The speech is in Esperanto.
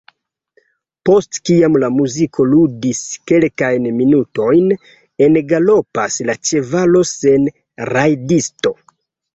Post kiam la muziko ludis kelkajn minutojn, engalopas la ĉevalo sen rajdisto.